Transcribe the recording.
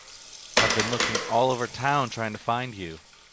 I've been looking all over town trying to find you.